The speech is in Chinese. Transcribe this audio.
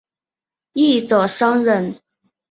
一者生忍。